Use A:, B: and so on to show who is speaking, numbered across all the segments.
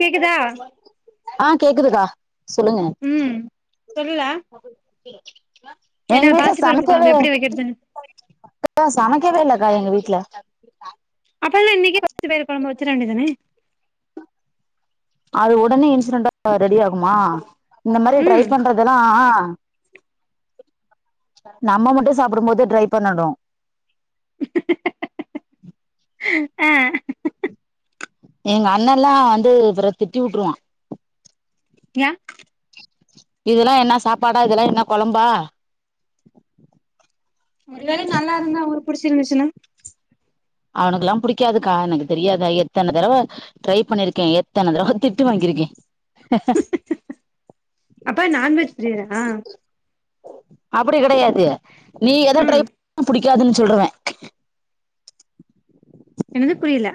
A: கேக்குதா
B: ஆ கேக்குதுக்கா சொல்லுங்க
A: ம் சொல்லுடா
B: எங்க
A: ஏன்னா
B: வீட்ல
A: பாசிப்பருப்பு
B: சமைக்கவே
A: கொழம்பு எப்டி வெக்கிறதுன்னு
B: சமைக்கவே இல்லக்கா எங்க வீட்ல
A: அப்பன்னா இன்னைக்கே பச்ச பயிரு கொழம்பு வச்சிரவேண்டியதானே
B: அது உடனே இன்சிடென்டா ரெடி ஆகுமா இந்த மாரி ட்ரை
A: ம்
B: பண்ற இதெல்லா நம்ம மட்டு சாப்டும் போது ட்ரை பண்ணணு
A: ஆ
B: எங்க அண்ணண்லா வந்து அப்பறோ திட்டி உட்ருவா
A: யா
B: இதெல்லா என்ன சாப்பாடா இதெல்லா என்ன கொழம்பா
A: ஒரு வேல நல்லா இருந்தா அவரு புடிச்சிருந்துச்சினா
B: அவனுக்குல்லா புடிக்காதுக்கா எனக்கு தெரியாத எத்தன தடவ ட்ரை பண்ணிருக்கே எத்தன தடவ திட்டு வாங்கிருக்கே
A: அப்ப நான்வெஜ் பிரியறா
B: அப்டி கெடையாது நீ எத ட்ரை
A: ம்
B: புடிக்காதுன்னு சொல்றுவே
A: என்னது புரியல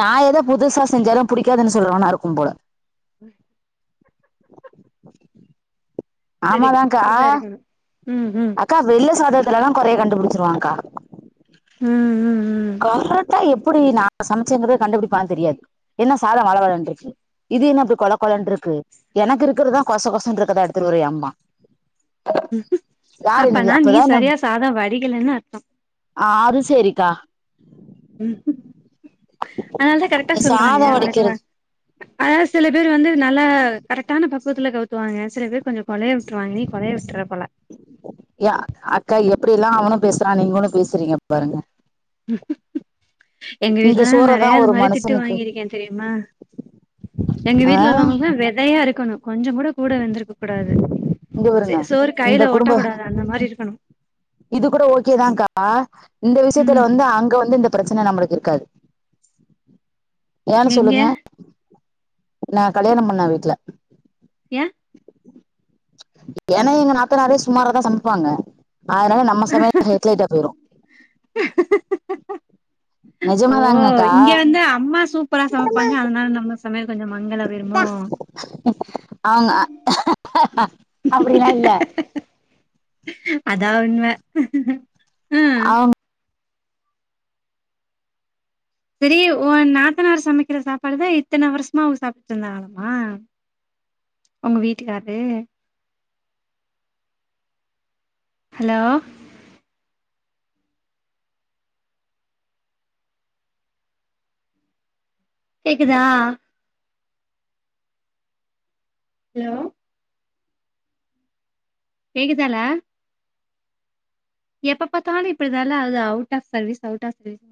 B: நா எதோ புதுசா செஞ்சாதா புடிக்காதுன்னு சொல்றவனா இருக்கும் போல
A: ம் சரி
B: ஆமாதாக்கா
A: அப்டிதா இருக்கணு ம் ம்
B: அக்கா வெள்ள சாதத்துலல்லா கொறைய கண்டுபுடிச்சிருவாங்க்கா
A: ம் ம் ம்
B: கரெட்டா எப் ப்புடி நா சமச்சேங்கற கண்டுபிடிப்பான்னு தெரியாது என்ன சாதோ வழ வழன்றுக்கு இது என்ன அப்டி கொழ கொழன்ருக்கு எனக்கு இருக்கறதுதா கொச கொசன்ருக்குதாட்ட த்துருவர்யம்மா நீங்க
A: அப்பனா நீ
B: அப்பதா
A: சரியா சாதோ வடிகலன்னு அர்த்தோ
B: ஆது சேரிக்கா
A: ம் அதனாலதா கரெக்டா
B: இந்த
A: சொல்றாங்க
B: சாதம்
A: உனக்கு வா
B: வடிக்கிறது
A: அதா சில பேர் வந்து நல்லா கரெக்டான பக்குவத்துல கவுத்துவாங்க சில பேர் கொஞ்சோ கொழைய விட்ருவாங்க நீ கொழய விட்ருவ போல
B: யா அக்கா எப்டில்லா அவனு பேசுறா நீங்களு பேசுறீங்க பாருங்க
A: எங்க
B: இந்த
A: வீட்லல்ல நா
B: சோறதா
A: நெறைய
B: ஒரு
A: இது மாரி திட்டு
B: மனுஷனுக்கு
A: வாங்கியிருக்கே தெரியுமா எங்க
B: ஆ
A: வீட்ல உள்ளவங்களுக்குதான் வெதையா இருக்கணும் கொஞ்சம் கூட கூட வெந்திருக்க கூடாது
B: இங்க
A: சே
B: பாருங்க
A: சோறு
B: இந்த
A: கையில
B: குடும்ப
A: ஒட்டக்கூடாது அந்த மாரி இருக்கணு
B: இது கூட ஓகேதான்கா இந்த விஷயத்துல
A: ம்
B: வந்து அங்க வந்து இந்த பிரச்சனை நம்மளுக்கு இருக்காது ஏன்னு
A: எங்க
B: சொல்லுங்க நா கல்யாணம் பண்ண வீட்டுல
A: ஏன்
B: ஏனா எங்க நாத்தநாரே சுமாரா தா சமைப்பாங்க அதனால நம்ம சமையல் ஹெட்லைட்டா போயிரு
A: ஓ
B: நிஜமாதாங்கக்கா
A: இங்க வந்து அம்மா சூப்பரா சமைப்பாங்க அதனால நம்ம சமையல் கொஞ்சோ மங்கள போயிருமோ
B: அவங்க அப்டிலா இல்ல
A: அதா உண்மை
B: ஆ
A: சேரி ஓ நாத்தனார் சமைக்கிற சாப்பாடுதா இத்தனை வருஷமா அவ சாப்பிட்டு இருந்தாகல உங்க வீட்டுக்கார்ரு ஹலோ கேக்குதா ஹலோ கேக்குதாலா எப்ப பத்தாலு இப்படிதால்ல அவுது out of service out of service